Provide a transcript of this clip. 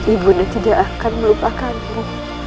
ibu tidak akan melupakamu